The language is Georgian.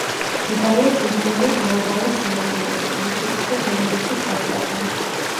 მდებარეობს მდინარე დაუგავას სანაპიროზე, ლიტვისა და ბელორუსის საზღვართან.